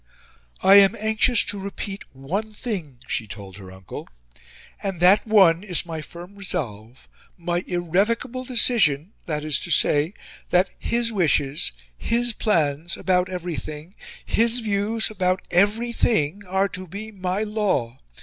"I am anxious to repeat ONE thing," she told her uncle, "and THAT ONE is my firm resolve, my IRREVOCABLE DECISION, viz., that HIS wishes HIS plans about everything, HIS views about EVERY thing are to be MY LAW!